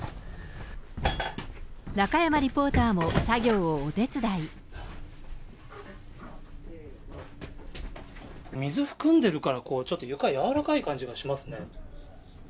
中山リポーターも作業をお手水含んでるから、ちょっと床、柔らかい感じがしますね。